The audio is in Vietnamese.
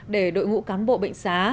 để đội ngũ cán bộ bệnh xá